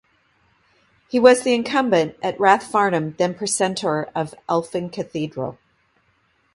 He was the incumbent at Rathfarnham then Precentor of Elphin Cathedral.